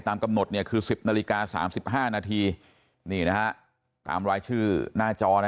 ตามกำหนดเนี่ยคือ๑๐นาฬิกา๓๕นาทีนี่นะฮะตามรายชื่อหน้าจอนะ